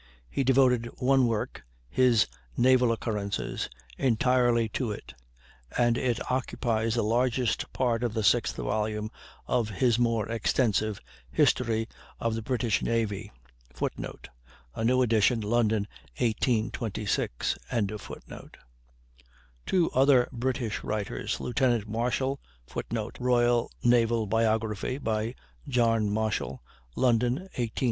He devoted one work, his "Naval Occurrences," entirely to it; and it occupies the largest part of the sixth volume of his more extensive "History of the British Navy." [Footnote: A new edition, London, 1826.] Two other British writers, Lieutenant Marshall [Footnote: "Royal Naval Biography," by John Marshall (London, 1823 1835).